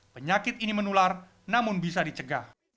penyakit ini menular namun bisa dicegah